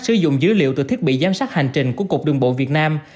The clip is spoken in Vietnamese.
sử dụng dữ liệu từ thiết bị giám sát hành trình của cục đường bộ việt nam